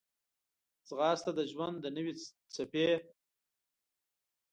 ځغاسته د ژوند د نوې څپې